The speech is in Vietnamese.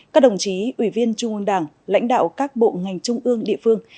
các đồng chí ủy viên trung ương đảng lãnh đạo các bộ ngành trung ương địa phương